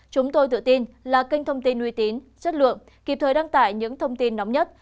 chúng tôi tự tin là kênh thông tin uy tín chất lượng kịp thời đăng tải những thông tin nóng nhất